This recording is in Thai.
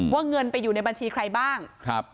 เงินไปอยู่ในบัญชีใครบ้าง